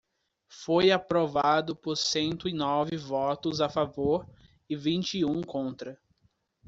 Foi aprovado por cento e nove votos a favor e vinte e um contra.